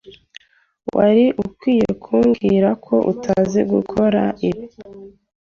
Wari ukwiye kumbwira ko utazi gukora ibi.